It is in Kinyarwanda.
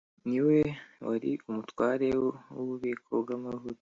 Ni we wari umutware w ububiko bw amavuta